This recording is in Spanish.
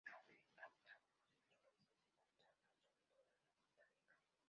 Aunque hace trabajos en zoología, se consagra sobre todo en la botánica.